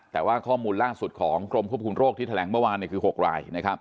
แต่ว่าข้อมูลล่าสุดของกรมควบคุมโรคที่แถลงเมื่อวานคือ๖ราย